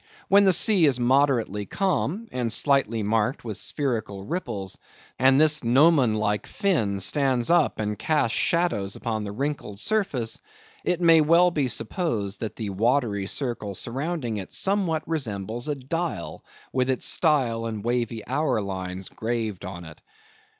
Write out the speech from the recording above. When the sea is moderately calm, and slightly marked with spherical ripples, and this gnomon like fin stands up and casts shadows upon the wrinkled surface, it may well be supposed that the watery circle surrounding it somewhat resembles a dial, with its style and wavy hour lines graved on it.